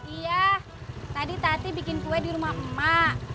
iya tadi tati bikin kue di rumah emak emak